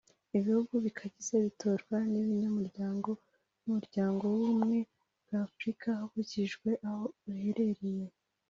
Ibihugu bikagize bitorwa n’ibinyamuryango by’umuryango w’Ubumwe bwa Afurika hakurikijwe aho biherereye